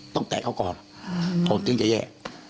ต้องแตกเขาก่อนผมต้องจะแย่